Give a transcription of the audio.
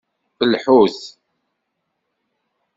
Lḥut.